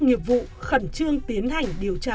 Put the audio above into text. nghiệp vụ khẩn trương tiến hành điều tra